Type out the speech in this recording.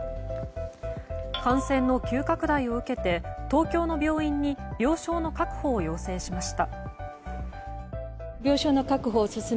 感染の急拡大を受けて東京の病院に病床の確保を要請しました。